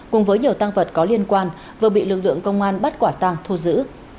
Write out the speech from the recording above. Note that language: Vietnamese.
cùng với nhiều tăng vật có liên quan vừa bị lực lượng công an bắt quả tàng thua giữ